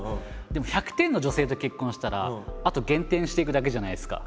でも１００点の女性と結婚したらあと減点していくだけじゃないですか。